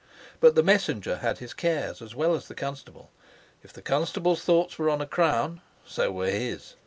But the messenger had his cares as well as the constable. If the constable's thoughts were on a crown, so were his.